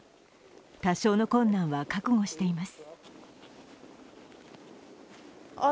多少の困難は覚悟しています。